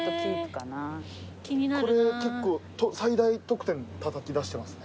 これ結構最大得点たたき出してますね。